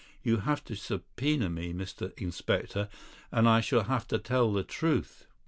"You'll have to subpoena me, Mr. Inspector, and I shall have to tell the truth.